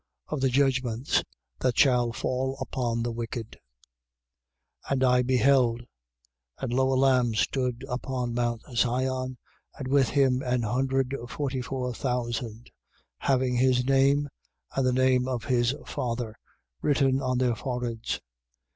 Of the judgments that shall fall upon the wicked. 14:1. And I beheld: and lo a Lamb stood upon mount Sion, and with him an hundred forty four thousand, having his name and the name of his Father written on their foreheads.